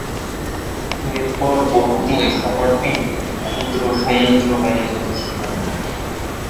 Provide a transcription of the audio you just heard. এরপর বহুদিন শহরটি একটি ক্ষুদ্র সমুদ্র বন্দর ছিল।